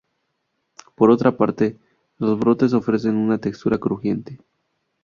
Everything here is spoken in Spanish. Por otra parte, los brotes ofrecen una textura crujiente.